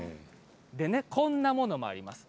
こんなものもあります。